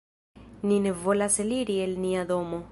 "Ni ne volas eliri el nia domo."